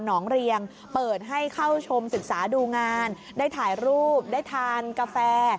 องเรียงเปิดให้เข้าชมศึกษาดูงานได้ถ่ายรูปได้ทานกาแฟ